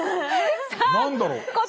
何だろう？